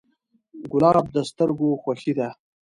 ګلاب د سترګو خوښي ده.